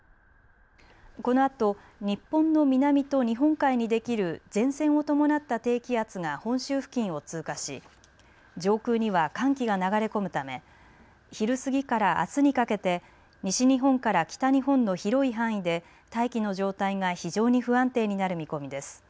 このあと日本の南と日本海にできる前線を伴った低気圧が本州付近を通過し上空には寒気が流れ込むため昼過ぎからあすにかけて西日本から北日本の広い範囲で大気の状態が非常に不安定になる見込みです。